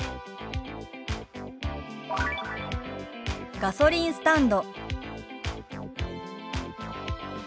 「ガソリンスタンド」。